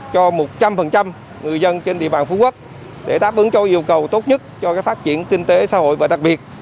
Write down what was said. cho một trăm linh người dân trên địa bàn phú quốc để đáp ứng cho yêu cầu tốt nhất cho phát triển kinh tế xã hội và đặc biệt